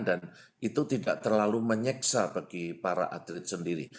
dan itu tidak terlalu menyeksa bagi para atlet sendiri